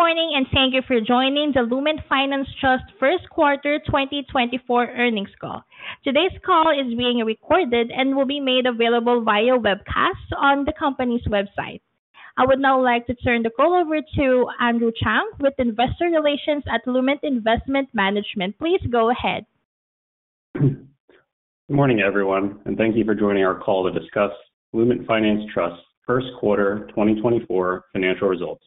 Good morning and thank you for joining the Lument Finance Trust First Quarter 2024 Earnings Call. Today's call is being recorded and will be made available via webcast on the company's website. I would now like to turn the call over to Andrew Tsang with Investor Relations at Lument Investment Management. Please go ahead. Good morning, everyone, and thank you for joining our call to discuss Lument Finance Trust first quarter 2024 financial results.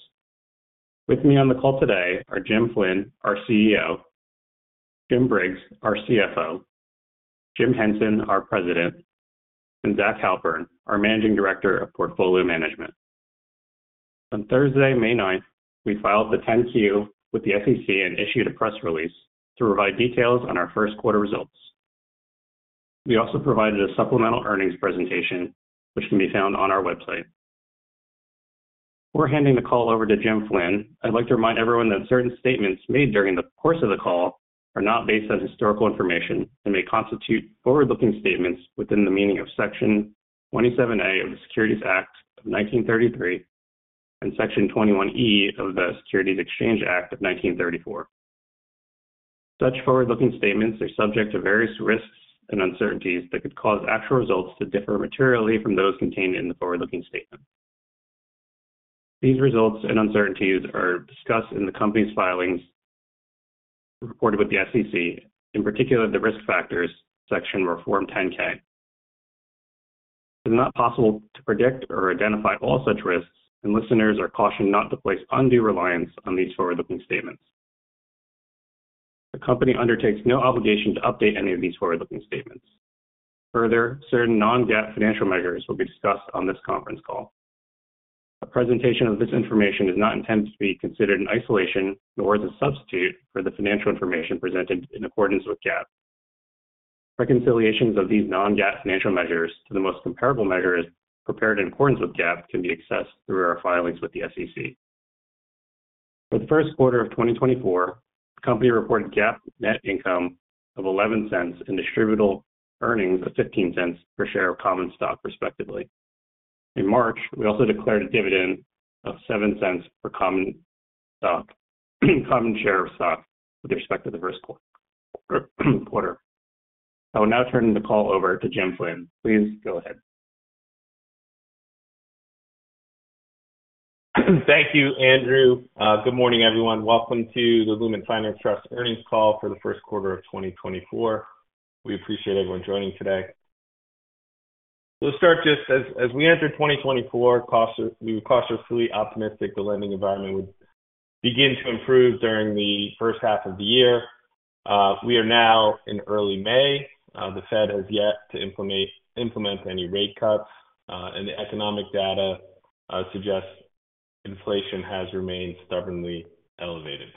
With me on the call today are Jim Flynn, our CEO; Jim Briggs, our CFO; Jim Henson, our President; and Zach Halpern, our Managing Director of Portfolio Management. On Thursday, May 9, we filed the 10-Q with the SEC and issued a press release to provide details on our first quarter results. We also provided a supplemental earnings presentation, which can be found on our website. Before handing the call over to Jim Flynn, I'd like to remind everyone that certain statements made during the course of the call are not based on historical information and may constitute forward-looking statements within the meaning of Section 27A of the Securities Act of 1933 and Section 21E of the Securities Exchange Act of 1934. Such forward-looking statements are subject to various risks and uncertainties that could cause actual results to differ materially from those contained in the forward-looking statement. These results and uncertainties are discussed in the company's filings reported with the SEC, in particular the risk factors section Form 10-K. It is not possible to predict or identify all such risks, and listeners are cautioned not to place undue reliance on these forward-looking statements. The company undertakes no obligation to update any of these forward-looking statements. Further, certain non-GAAP financial measures will be discussed on this conference call. A presentation of this information is not intended to be considered in isolation nor as a substitute for the financial information presented in accordance with GAAP. Reconciliations of these non-GAAP financial measures to the most comparable measures prepared in accordance with GAAP can be accessed through our filings with the SEC. For the first quarter of 2024, the company reported GAAP net income of $0.11 and distributable earnings of $0.15 per share of common stock, respectively. In March, we also declared a dividend of $0.07 per common stock, common share of stock, with respect to the first quarter. I will now turn the call over to Jim Flynn. Please go ahead. Thank you, Andrew. Good morning, everyone. Welcome to the Lument Finance Trust Earnings Call for the First Quarter of 2024. We appreciate everyone joining today. We'll start just as we entered 2024, we were cautiously optimistic the lending environment would begin to improve during the first half of the year. We are now in early May. The Fed has yet to implement any rate cuts, and the economic data suggests inflation has remained stubbornly elevated.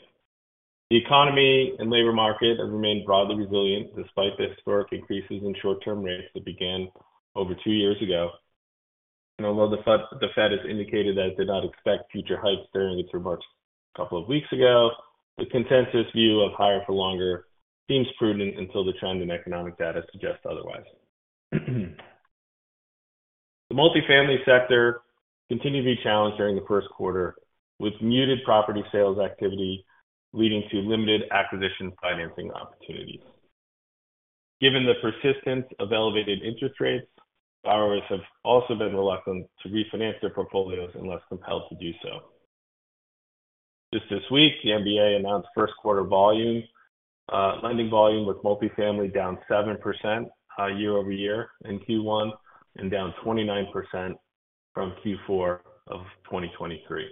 The economy and labor market have remained broadly resilient despite the historic increases in short-term rates that began over two years ago. Although the Fed has indicated that it did not expect future hikes during its remarks a couple of weeks ago, the consensus view of higher for longer seems prudent until the trend in economic data suggests otherwise. The multifamily sector continued to be challenged during the first quarter, with muted property sales activity leading to limited acquisition financing opportunities. Given the persistence of elevated interest rates, borrowers have also been reluctant to refinance their portfolios unless compelled to do so. Just this week, the MBA announced first-quarter lending volume with multifamily down 7% year-over-year in Q1 and down 29% from Q4 of 2023.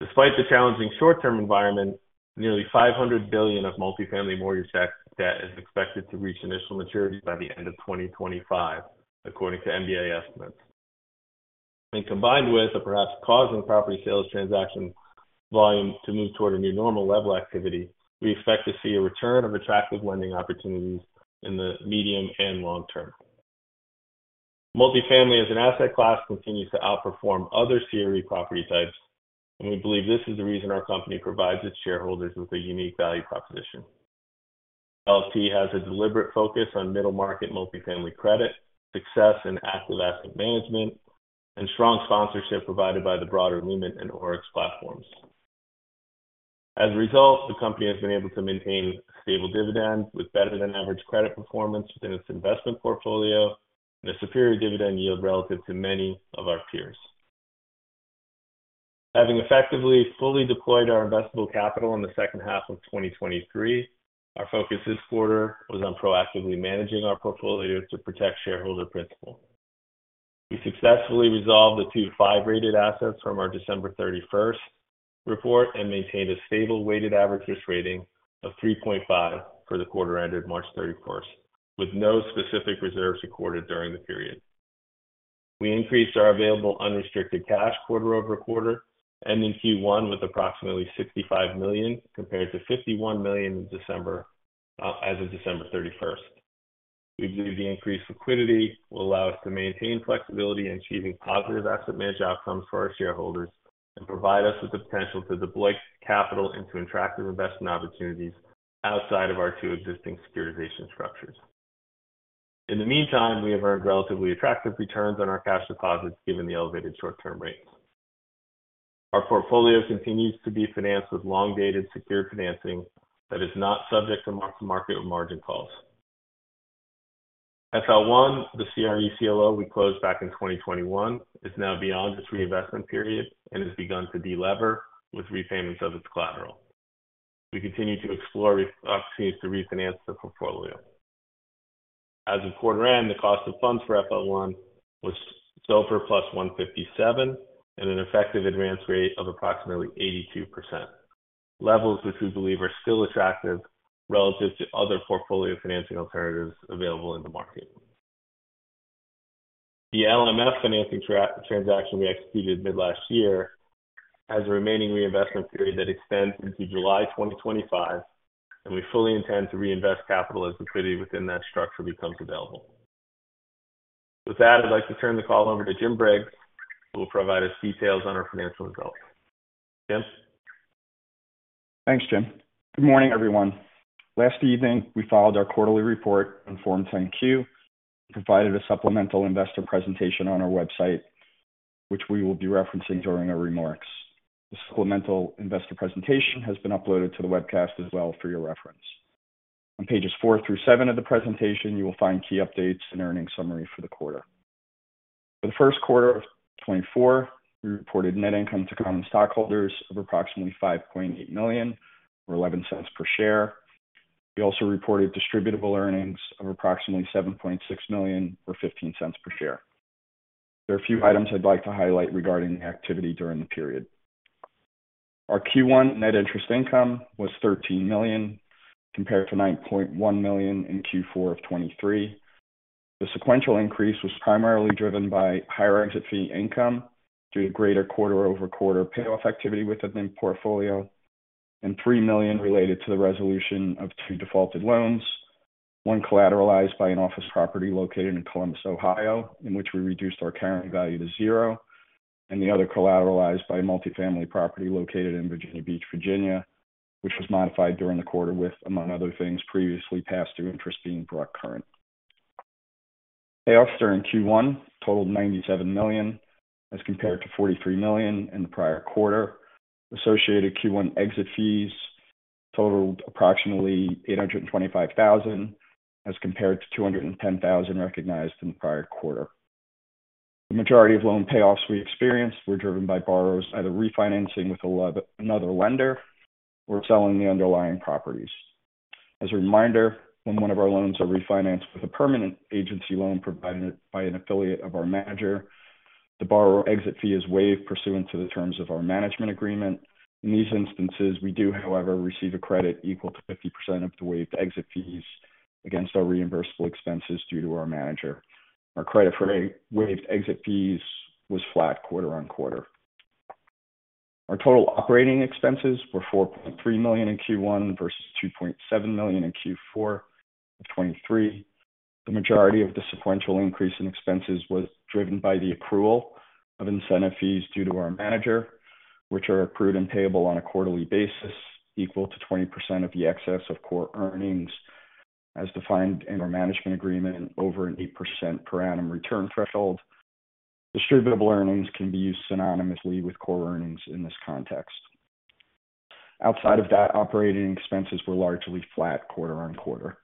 Despite the challenging short-term environment, nearly $500 billion of multifamily mortgage debt is expected to reach initial maturity by the end of 2025, according to MBA estimates. Combined with a perhaps causing property sales transaction volume to move toward a new normal level activity, we expect to see a return of attractive lending opportunities in the medium and long term. Multifamily as an asset class continues to outperform other CRE property types, and we believe this is the reason our company provides its shareholders with a unique value proposition. LFT has a deliberate focus on middle-market multifamily credit, success in active asset management, and strong sponsorship provided by the broader Lument and ORIX platforms. As a result, the company has been able to maintain stable dividends with better-than-average credit performance within its investment portfolio and a superior dividend yield relative to many of our peers. Having effectively fully deployed our investable capital in the second half of 2023, our focus this quarter was on proactively managing our portfolio to protect shareholder principal. We successfully resolved the 2.5-rated assets from our December 31st report and maintained a stable weighted average risk rating of 3.5 for the quarter ended March 31st, with no specific reserves recorded during the period. We increased our available unrestricted cash quarter-over-quarter, ending Q1 with approximately $65 million compared to $51 million as of December 31st. We believe the increased liquidity will allow us to maintain flexibility in achieving positive asset management outcomes for our shareholders and provide us with the potential to deploy capital into attractive investment opportunities outside of our two existing securitization structures. In the meantime, we have earned relatively attractive returns on our cash deposits given the elevated short-term rates. Our portfolio continues to be financed with long-dated secured financing that is not subject to market margin calls. FL1, the CRE CLO we closed back in 2021, is now beyond its reinvestment period and has begun to delever with repayments of its collateral. We continue to explore opportunities to refinance the portfolio. As of quarter end, the cost of funds for FL1 was SOFR plus 157 and an effective advance rate of approximately 82%, levels which we believe are still attractive relative to other portfolio financing alternatives available in the market. The LFT financing transaction we executed mid-last year has a remaining reinvestment period that extends into July 2025, and we fully intend to reinvest capital as liquidity within that structure becomes available. With that, I'd like to turn the call over to Jim Briggs, who will provide us details on our financial results. Jim? Thanks, Jim. Good morning, everyone. Last evening, we filed our quarterly report on Form 10-Q and provided a supplemental investor presentation on our website, which we will be referencing during our remarks. The supplemental investor presentation has been uploaded to the webcast as well for your reference. On pages four through seven of the presentation, you will find key updates and earnings summary for the quarter. For the first quarter of 2024, we reported net income to common stockholders of approximately $5.8 million or $0.11 per share. We also reported distributable earnings of approximately $7.6 million or $0.15 per share. There are a few items I'd like to highlight regarding the activity during the period. Our Q1 net interest income was $13 million compared to $9.1 million in Q4 of 2023. The sequential increase was primarily driven by higher exit fee income due to greater quarter-over-quarter payoff activity within the portfolio and $3 million related to the resolution of two defaulted loans, one collateralized by an office property located in Columbus, Ohio, in which we reduced our carrying value to zero, and the other collateralized by a multifamily property located in Virginia Beach, Virginia, which was modified during the quarter with, among other things, previously past due interest being brought current. Payoffs during Q1 totaled $97 million as compared to $43 million in the prior quarter. Associated Q1 exit fees totaled approximately $825,000 as compared to $210,000 recognized in the prior quarter. The majority of loan payoffs we experienced were driven by borrowers either refinancing with another lender or selling the underlying properties. As a reminder, when one of our loans are refinanced with a permanent agency loan provided by an affiliate of our manager, the borrower exit fee is waived pursuant to the terms of our management agreement. In these instances, we do, however, receive a credit equal to 50% of the waived exit fees against our reimbursable expenses due to our manager. Our credit for waived exit fees was flat quarter on quarter. Our total operating expenses were $4.3 million in Q1 versus $2.7 million in Q4 of 2023. The majority of the sequential increase in expenses was driven by the accrual of incentive fees due to our manager, which are accrued and payable on a quarterly basis equal to 20% of the excess of core earnings as defined in our management agreement over an 8% per annum return threshold. Distributable earnings can be used synonymously with core earnings in this context. Outside of that, operating expenses were largely flat quarter-on-quarter.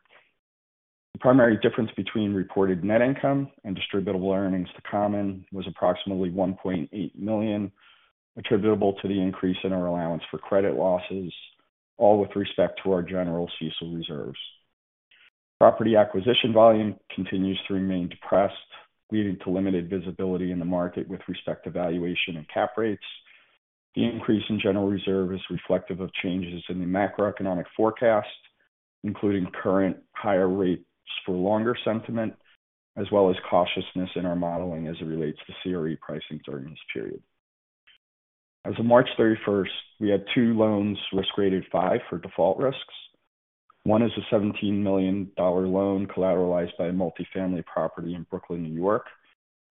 The primary difference between reported net income and distributable earnings to common was approximately $1.8 million attributable to the increase in our allowance for credit losses, all with respect to our general CECL reserves. Property acquisition volume continues to remain depressed, leading to limited visibility in the market with respect to valuation and cap rates. The increase in general reserve is reflective of changes in the macroeconomic forecast, including current higher rates for longer sentiment, as well as cautiousness in our modeling as it relates to CRE pricing during this period. As of March 31st, we had two loans risk-rated 5 for default risks. One is a $17 million loan collateralized by a multifamily property in Brooklyn, New York,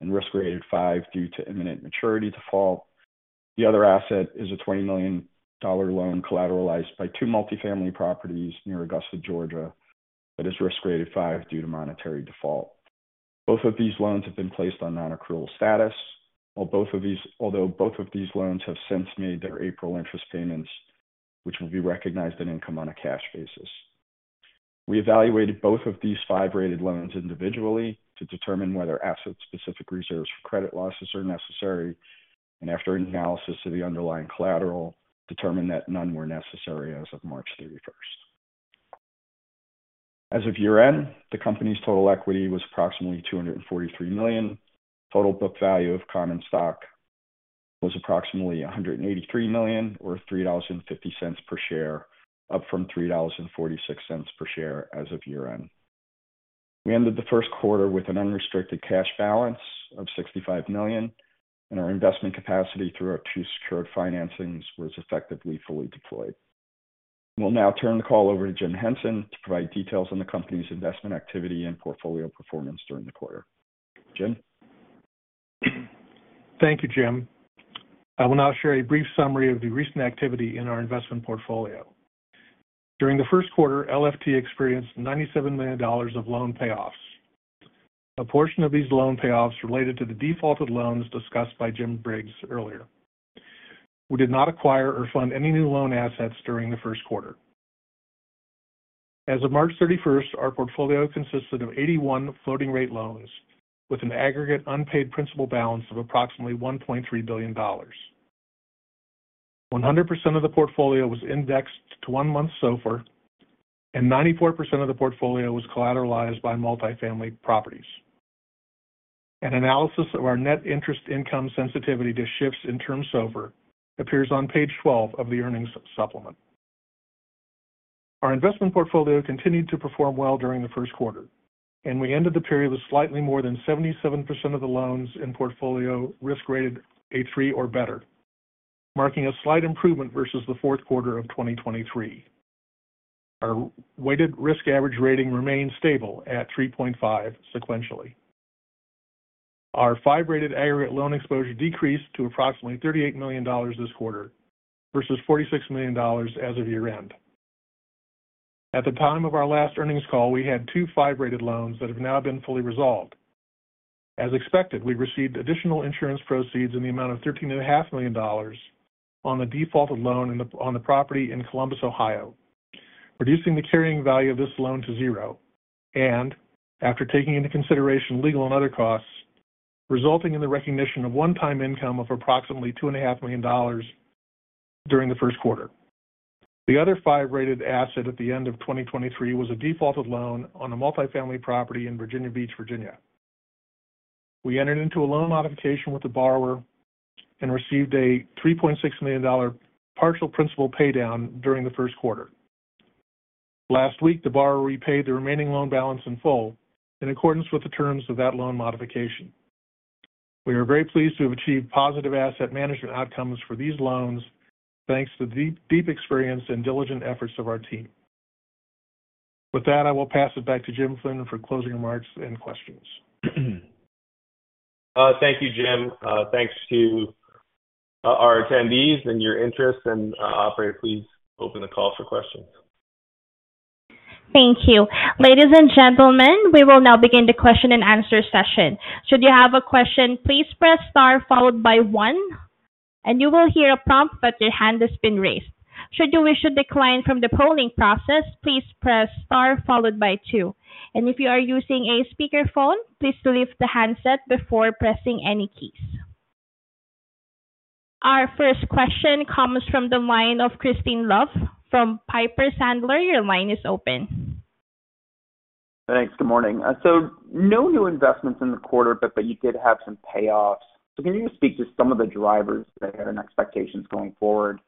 and risk-rated 5 due to imminent maturity default. The other asset is a $20 million loan collateralized by two multifamily properties near Augusta, Georgia, but is risk-rated 5 due to monetary default. Both of these loans have been placed on non-accrual status, although both of these loans have since made their April interest payments, which will be recognized in income on a cash basis. We evaluated both of these five-rated loans individually to determine whether asset-specific reserves for credit losses are necessary, and after analysis of the underlying collateral, determined that none were necessary as of March 31st. As of year-end, the company's total equity was approximately $243 million. Total book value of common stock was approximately $183 million or $3.50 per share, up from $3.46 per share as of year-end. We ended the first quarter with an unrestricted cash balance of $65 million, and our investment capacity throughout two secured financings was effectively fully deployed. We'll now turn the call over to Jim Henson to provide details on the company's investment activity and portfolio performance during the quarter. Jim? Thank you, Jim. I will now share a brief summary of the recent activity in our investment portfolio. During the first quarter, LFT experienced $97 million of loan payoffs. A portion of these loan payoffs related to the defaulted loans discussed by Jim Briggs earlier. We did not acquire or fund any new loan assets during the first quarter. As of March 31st, our portfolio consisted of 81 floating-rate loans with an aggregate unpaid principal balance of approximately $1.3 billion. 100% of the portfolio was indexed to one-month SOFR, and 94% of the portfolio was collateralized by multifamily properties. An analysis of our net interest income sensitivity to shifts in terms of SOFR appears on page 12 of the earnings supplement. Our investment portfolio continued to perform well during the first quarter, and we ended the period with slightly more than 77% of the loans in portfolio risk-rated A3 or better, marking a slight improvement versus the fourth quarter of 2023. Our weighted risk average rating remained stable at 3.5 sequentially. Our five-rated aggregate loan exposure decreased to approximately $38 million this quarter versus $46 million as of year-end. At the time of our last earnings call, we had two five-rated loans that have now been fully resolved. As expected, we received additional insurance proceeds in the amount of $13.5 million on the defaulted loan on the property in Columbus, Ohio, reducing the carrying value of this loan to zero and, after taking into consideration legal and other costs, resulting in the recognition of one-time income of approximately $2.5 million during the first quarter. The other five-rated asset at the end of 2023 was a defaulted loan on a multifamily property in Virginia Beach, Virginia. We entered into a loan modification with the borrower and received a $3.6 million partial principal paydown during the first quarter. Last week, the borrower repaid the remaining loan balance in full in accordance with the terms of that loan modification. We are very pleased to have achieved positive asset management outcomes for these loans thanks to the deep experience and diligent efforts of our team. With that, I will pass it back to Jim Flynn for closing remarks and questions. Thank you, Jim. Thanks to our attendees and your interest. Operator, please open the call for questions. Thank you. Ladies and gentlemen, we will now begin the question-and-answer session. Should you have a question, please press star followed by one, and you will hear a prompt that your hand has been raised. Should you wish to decline from the polling process, please press star followed by two. If you are using a speakerphone, please leave the handset before pressing any keys. Our first question comes from the line of Crispin Love from Piper Sandler. Your line is open. Thanks. Good morning. So no new investments in the quarter, but you did have some payoffs. So can you speak to some of the drivers there and expectations going forward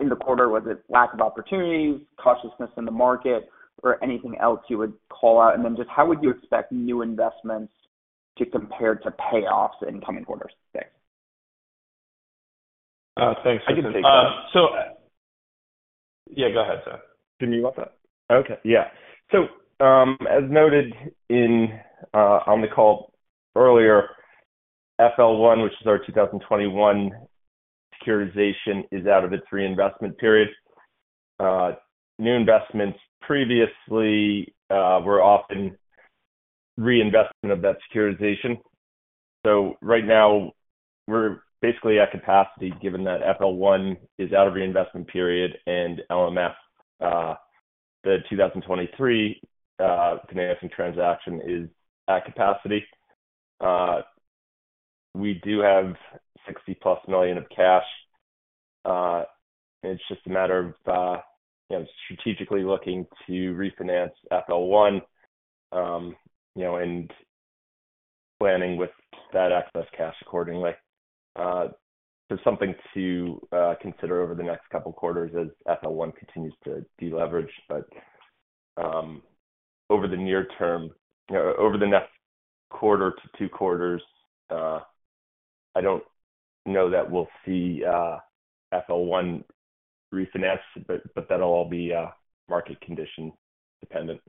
in the quarter? Was it lack of opportunities, cautiousness in the market, or anything else you would call out? And then just how would you expect new investments to compare to payoffs in coming quarters? Thanks. Thanks, Henson. I can take that. Yeah, go ahead, sir. Jim, you want that? Okay. Yeah. So as noted on the call earlier, FL1, which is our 2021 securitization, is out of its reinvestment period. New investments previously were often reinvestment of that securitization. So right now, we're basically at capacity given that FL1 is out of reinvestment period and the 2023 financing transaction is at capacity. We do have $60+ million of cash. It's just a matter of strategically looking to refinance FL1 and planning with that excess cash accordingly. So something to consider over the next couple of quarters as FL1 continues to deleverage. But over the near term, over the next quarter to two quarters, I don't know that we'll see FL1 refinanced, but that'll all be market condition-dependent.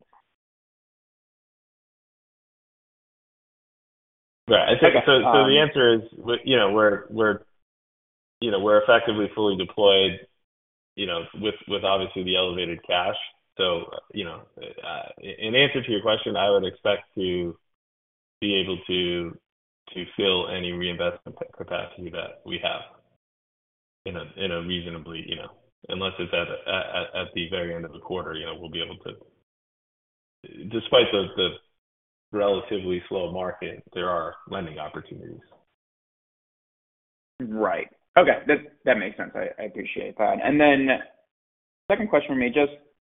Right. So the answer is we're effectively fully deployed with, obviously, the elevated cash. So in answer to your question, I would expect to be able to fill any reinvestment capacity that we have in a reasonably unless it's at the very end of the quarter. We'll be able to despite the relatively slow market, there are lending opportunities. Right. Okay. That makes sense. I appreciate that. And then second question for me,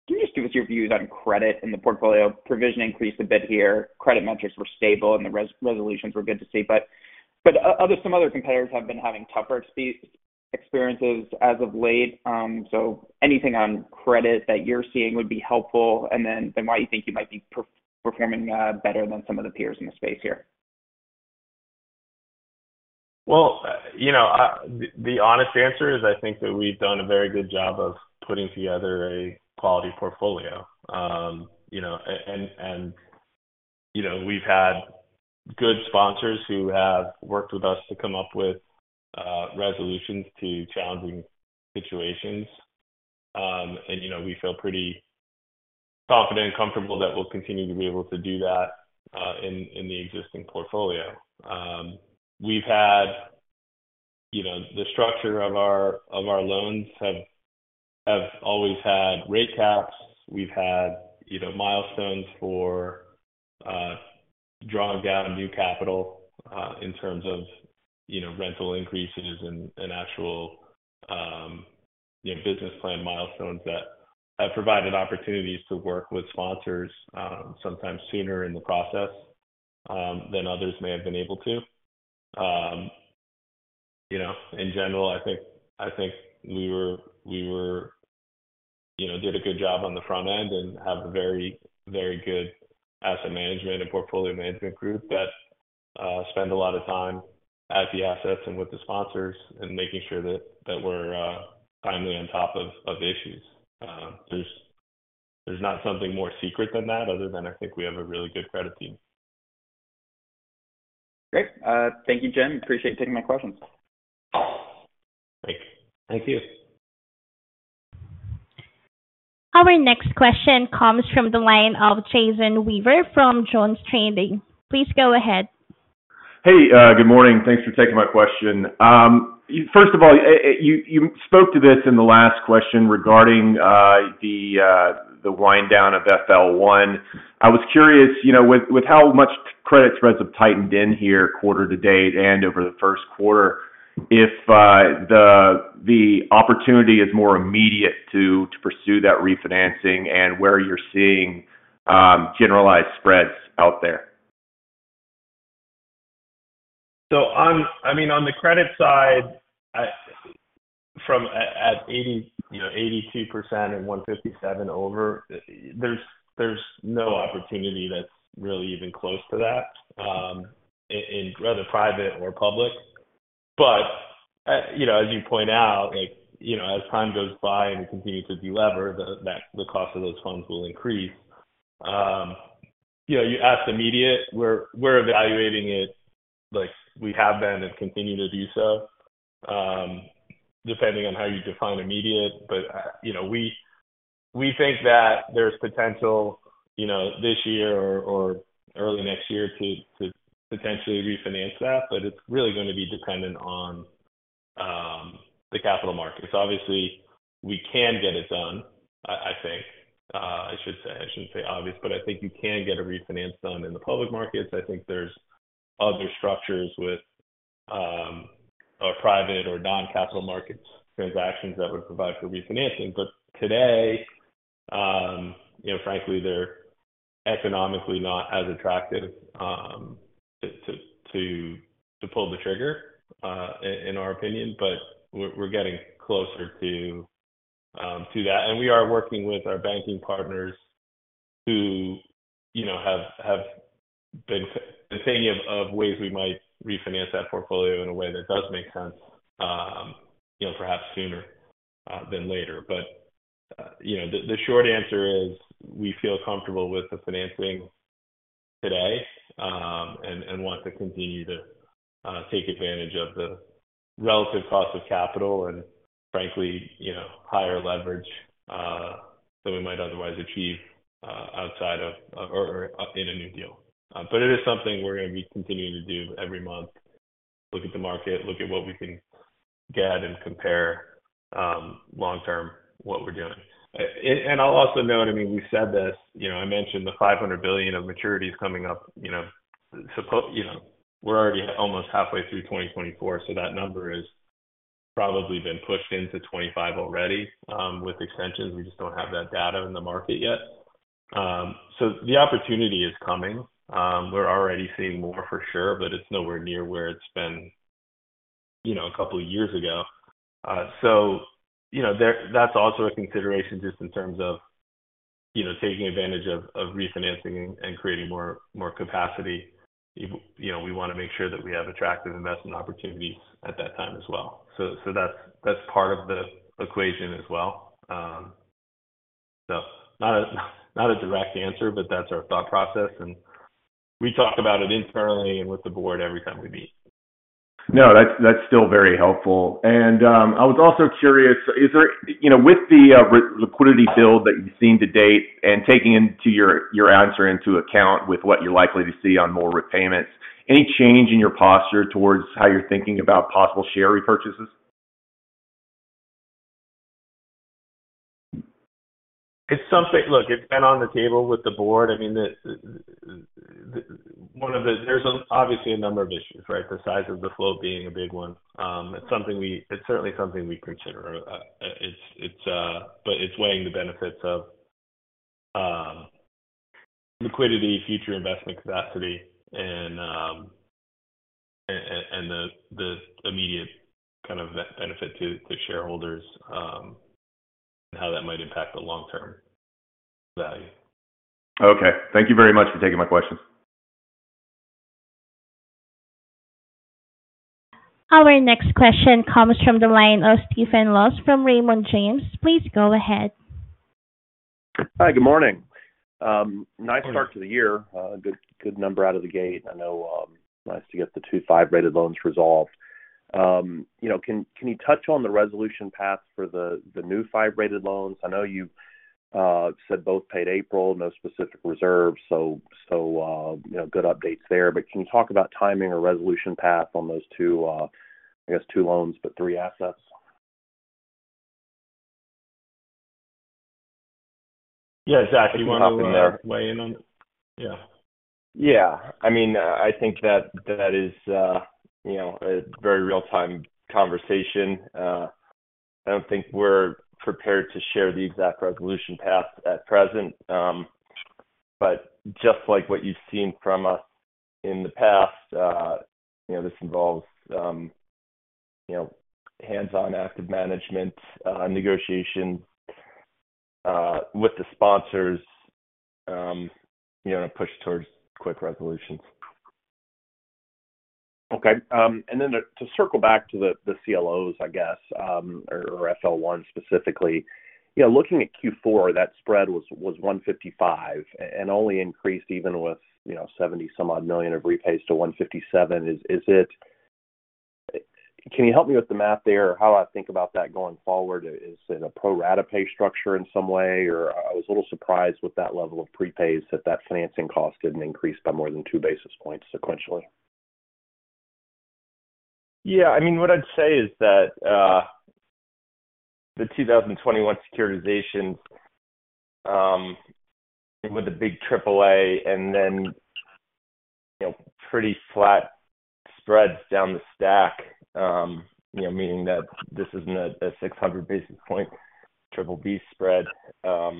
can you just give us your views on credit in the portfolio? Provision increased a bit here. Credit metrics were stable, and the resolutions were good to see. But some other competitors have been having tougher experiences as of late. So anything on credit that you're seeing would be helpful. And then why do you think you might be performing better than some of the peers in the space here? Well, the honest answer is I think that we've done a very good job of putting together a quality portfolio. And we've had good sponsors who have worked with us to come up with resolutions to challenging situations. And we feel pretty confident and comfortable that we'll continue to be able to do that in the existing portfolio. The structure of our loans have always had rate caps. We've had milestones for drawing down new capital in terms of rental increases and actual business plan milestones that have provided opportunities to work with sponsors sometimes sooner in the process than others may have been able to. In general, I think we did a good job on the front end and have a very, very good asset management and portfolio management group that spend a lot of time at the assets and with the sponsors and making sure that we're timely on top of issues. There's not something more secret than that other than I think we have a really good credit team. Great. Thank you, Jim. Appreciate taking my questions. Thank you. Our next question comes from the line of Jason Weaver from JonesTrading. Please go ahead. Hey. Good morning. Thanks for taking my question. First of all, you spoke to this in the last question regarding the wind-down of FL1. I was curious, with how much credit spreads have tightened in the current quarter to date and over the first quarter, if the opportunity is more immediate to pursue that refinancing and where you're seeing generalized spreads out there? So, I mean, on the credit side, at 82% and 157 over, there's no opportunity that's really even close to that, whether private or public. But as you point out, as time goes by and we continue to delever, the cost of those funds will increase. You asked immediate. We're evaluating it like we have been and continue to do so, depending on how you define immediate. But we think that there's potential this year or early next year to potentially refinance that. But it's really going to be dependent on the capital markets. Obviously, we can get it done, I think. I should say I shouldn't say obvious, but I think you can get a refinance done in the public markets. I think there's other structures with private or non-capital markets transactions that would provide for refinancing. But today, frankly, they're economically not as attractive to pull the trigger, in our opinion. But we're getting closer to that. And we are working with our banking partners who have been thinking of ways we might refinance that portfolio in a way that does make sense, perhaps sooner than later. But the short answer is we feel comfortable with the financing today and want to continue to take advantage of the relative cost of capital and, frankly, higher leverage than we might otherwise achieve outside of or in a new deal. But it is something we're going to be continuing to do every month, look at the market, look at what we can get, and compare long-term what we're doing. And I'll also note, I mean, we've said this. I mentioned the $500 billion of maturities coming up. We're already almost halfway through 2024. So that number has probably been pushed into 25 already with extensions. We just don't have that data in the market yet. So the opportunity is coming. We're already seeing more for sure, but it's nowhere near where it's been a couple of years ago. So that's also a consideration just in terms of taking advantage of refinancing and creating more capacity. We want to make sure that we have attractive investment opportunities at that time as well. So that's part of the equation as well. So not a direct answer, but that's our thought process. And we talk about it internally and with the board every time we meet. No, that's still very helpful. I was also curious, with the liquidity build that you've seen to date and taking your answer into account with what you're likely to see on more repayments, any change in your posture towards how you're thinking about possible share repurchases? Look, it's been on the table with the board. I mean, there's obviously a number of issues, right, the size of the flow being a big one. It's certainly something we consider. But it's weighing the benefits of liquidity, future investment capacity, and the immediate kind of benefit to shareholders and how that might impact the long-term value. Okay. Thank you very much for taking my questions. Our next question comes from the line of Stephen Laws from Raymond James. Please go ahead. Hi. Good morning. Nice start to the year. Good number out of the gate. I know nice to get the 2 5-rated loans resolved. Can you touch on the resolution path for the new 5-rated loans? I know you said both paid April, no specific reserves, so good updates there. But can you talk about timing or resolution path on those, I guess, two loans but three assets? Yeah, exactly. Do you want to weigh in on it? Yeah. Yeah. I mean, I think that is a very real-time conversation. I don't think we're prepared to share the exact resolution path at present. But just like what you've seen from us in the past, this involves hands-on active management, negotiations with the sponsors, and a push towards quick resolutions. Okay. And then to circle back to the CLOs, I guess, or FL1 specifically, looking at Q4, that spread was 155 and only increased even with $70-some-odd million of repays to 157. Can you help me with the math there or how I think about that going forward? Is it a pro-rata pay structure in some way? Or I was a little surprised with that level of prepays that that financing cost didn't increase by more than two basis points sequentially. Yeah. I mean, what I'd say is that the 2021 securitizations with the big AAA and then pretty flat spreads down the stack, meaning that this isn't a 600-basis-point BBB spread. I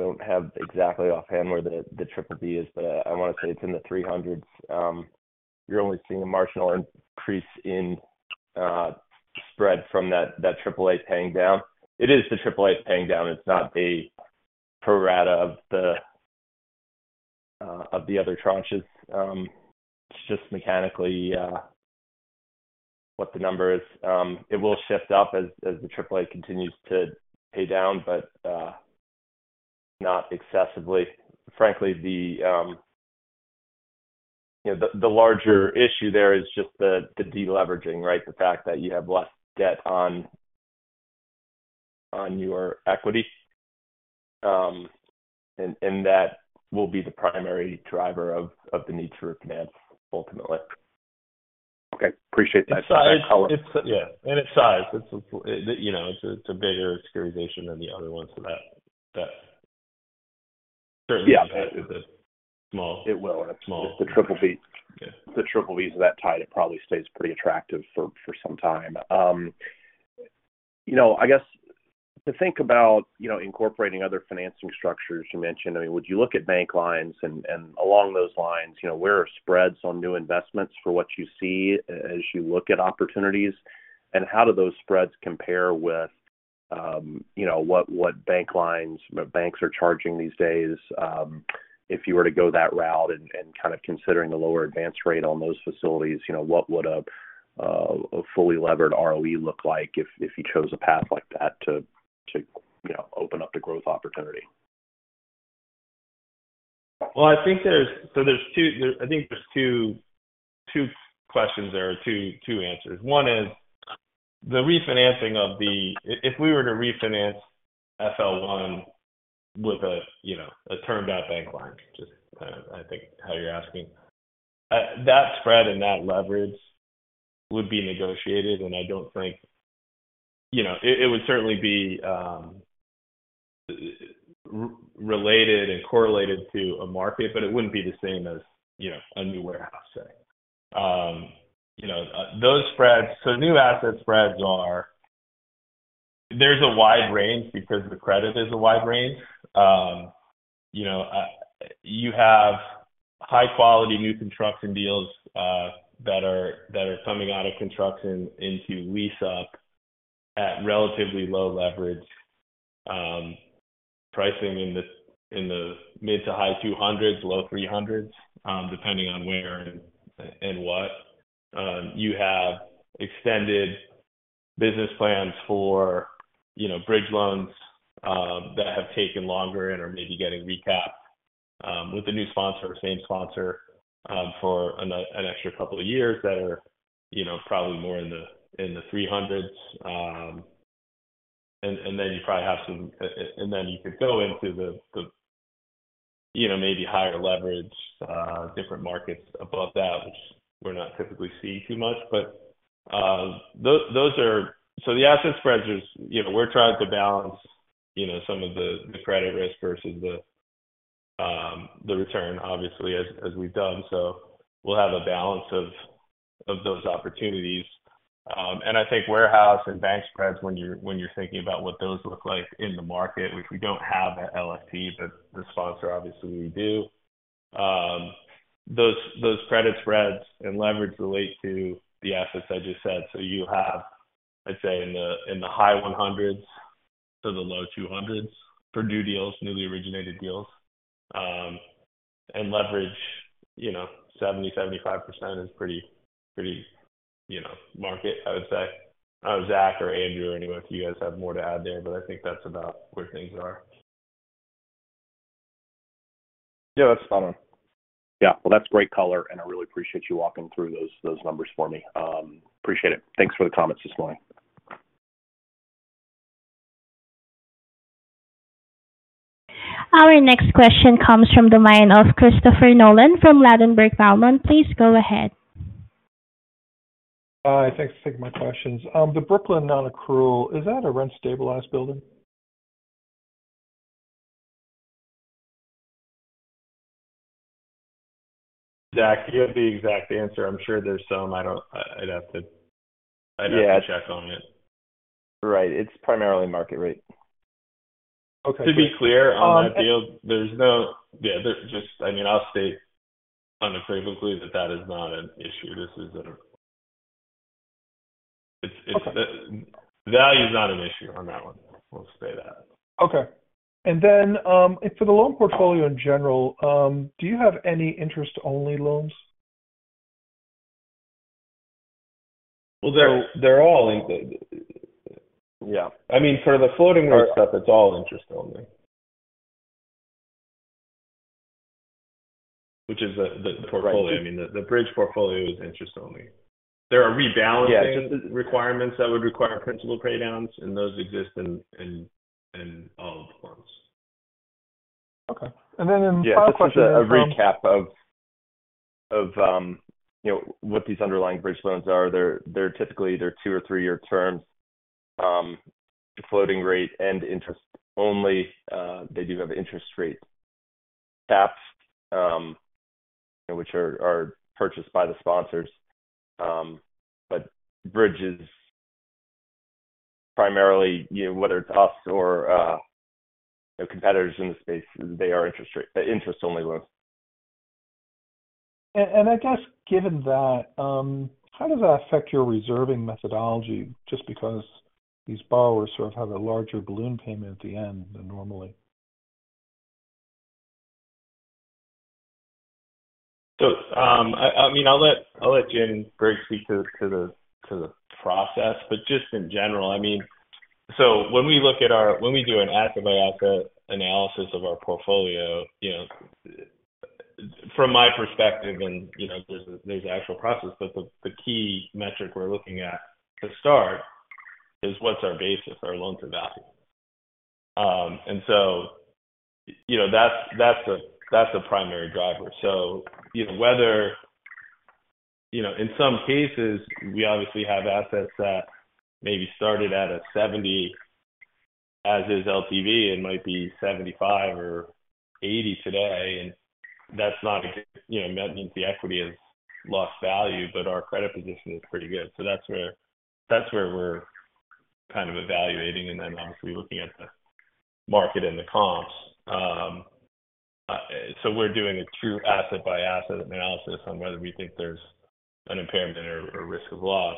don't have exactly offhand where the BBB is, but I want to say it's in the 300s. You're only seeing a marginal increase in spread from that AAA paying down. It is the AAA paying down. It's not the pro-rata of the other tranches. It's just mechanically what the number is. It will shift up as the AAA continues to pay down, but not excessively. Frankly, the larger issue there is just the deleveraging, right, the fact that you have less debt on your equity. And that will be the primary driver of the need to refinance ultimately. Okay. Appreciate that. Yeah. And its size. It's a bigger securitization than the other ones. So that certainly impacts the small it will. And it's the BBBs. The BBBs that tied, it probably stays pretty attractive for some time. I guess to think about incorporating other financing structures you mentioned, I mean, would you look at bank lines and along those lines, where are spreads on new investments for what you see as you look at opportunities? And how do those spreads compare with what banks are charging these days? If you were to go that route and kind of considering the lower advance rate on those facilities, what would a fully levered ROE look like if you chose a path like that to open up the growth opportunity? Well, I think there's two questions there or two answers. One is the refinancing of the, if we were to refinance FL1 with a term-out bank line, just kind of, I think, how you're asking, that spread and that leverage would be negotiated. And I don't think it would certainly be related and correlated to a market, but it wouldn't be the same as a new warehouse, say. Those spreads, so new asset spreads are a wide range because the credit is a wide range. You have high-quality new construction deals that are coming out of construction into lease-up at relatively low leverage pricing in the mid to high 200s, low 300s, depending on where and what. You have extended business plans for bridge loans that have taken longer and are maybe getting recapped with a new sponsor or same sponsor for an extra couple of years that are probably more in the 300s. Then you probably have some, and then you could go into the maybe higher leverage, different markets above that, which we're not typically seeing too much. But those are, so the asset spreads, we're trying to balance some of the credit risk versus the return, obviously, as we've done. So we'll have a balance of those opportunities. And I think warehouse and bank spreads, when you're thinking about what those look like in the market, which we don't have at LFT, but the sponsor, obviously, we do, those credit spreads and leverage relate to the assets I just said. So you have, I'd say, in the high 100s-low 200s for new deals, newly originated deals, and leverage 70%-75% is pretty market, I would say. I don't know if Zach or Andrew or anyone, if you guys have more to add there, but I think that's about where things are. Yeah. That's spot on. Yeah. Well, that's great color. I really appreciate you walking through those numbers for me. Appreciate it. Thanks for the comments this morning. Our next question comes from the line of Christopher Nolan from Ladenburg Thalmann. Please go ahead. Thanks for taking my questions. The Brooklyn Non-Accrual, is that a rent-stabilized building? Zach, you have the exact answer. I'm sure there's some. I'd have to check on it. Right. It's primarily market rate. Okay. So I'm just. To be clear on that deal, there's no yeah. I mean, I'll state unafraidly that that is not an issue. Value is not an issue on that one. We'll say that. Okay. And then for the loan portfolio in general, do you have any interest-only loans? Well, they're all, yeah. I mean, for the floating-rate stuff, it's all interest-only, which is the portfolio. I mean, the bridge portfolio is interest-only. There are rebalancing requirements that would require principal paydowns, and those exist in all of the funds. Okay. And then in the final question, I'm just. This is a recap of what these underlying bridge loans are. Typically, they're two or three-year terms, floating rate and interest-only. They do have interest rate caps, which are purchased by the sponsors. But bridges, primarily, whether it's us or competitors in the space, they are interest-only loans. I guess given that, how does that affect your reserving methodology just because these borrowers sort of have a larger balloon payment at the end than normally? So, I mean, I'll let Jim Briggs speak to the process. But just in general, I mean, so when we do an asset-by-asset analysis of our portfolio, from my perspective, and there's an actual process, but the key metric we're looking at to start is what's our basis, our loan-to-value. And so that's a primary driver. So in some cases, we obviously have assets that maybe started at a 70 as-is LTV. It might be 75-80 today. And that's not good, that means the equity has lost value, but our credit position is pretty good. So that's where we're kind of evaluating and then, obviously, looking at the market and the comps. So we're doing a true asset-by-asset analysis on whether we think there's an impairment or risk of loss.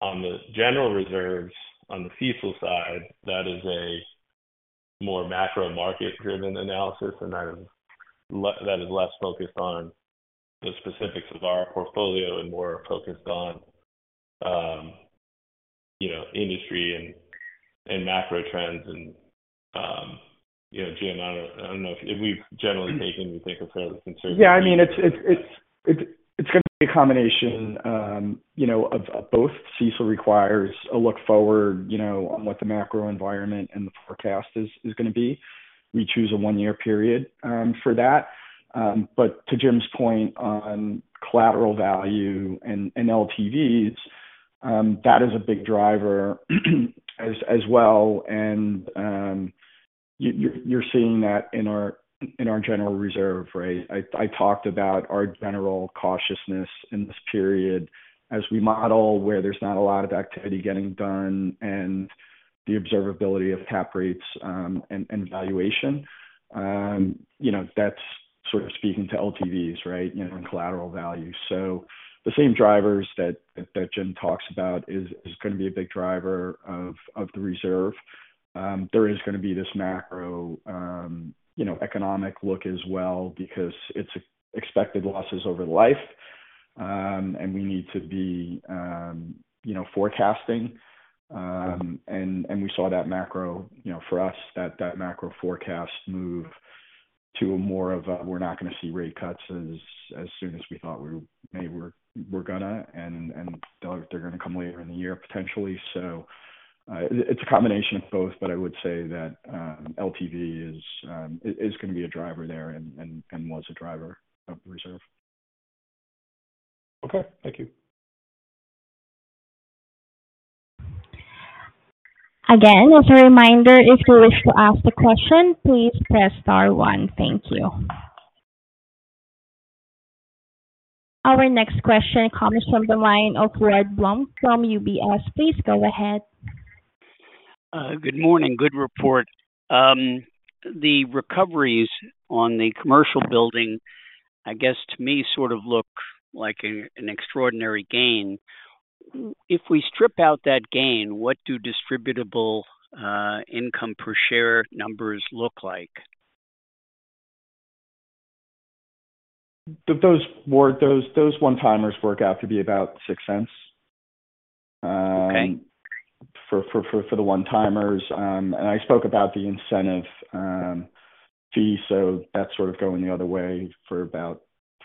On the general reserves, on the CECL side, that is a more macro-market-driven analysis. That is less focused on the specifics of our portfolio and more focused on industry and macro trends. Jim, I don't know if we've generally taken we think a fairly conservative approach. Yeah. I mean, it's going to be a combination of both. CECL requires a look forward on what the macro environment and the forecast is going to be. We choose a one-year period for that. But to Jim's point on collateral value and LTVs, that is a big driver as well. And you're seeing that in our general reserve, right? I talked about our general cautiousness in this period as we model where there's not a lot of activity getting done and the observability of cap rates and valuation. That's sort of speaking to LTVs, right, and collateral value. So the same drivers that Jim talks about is going to be a big driver of the reserve. There is going to be this macroeconomic look as well because it's expected losses over life. And we need to be forecasting. We saw that macro for us, that macro forecast move to more of a, "We're not going to see rate cuts as soon as we thought we were going to. And they're going to come later in the year, potentially." So it's a combination of both, but I would say that LTV is going to be a driver there and was a driver of the reserve. Okay. Thank you. Again, as a reminder, if you wish to ask a question, please press star one. Thank you. Our next question comes from the line of Ward Blum from UBS. Please go ahead. Good morning. Good report. The recoveries on the commercial building, I guess, to me, sort of look like an extraordinary gain. If we strip out that gain, what do distributable income per share numbers look like? Those one-timers work out to be about $0.06 for the one-timers. And I spoke about the incentive fee. So that's sort of going the other way for about.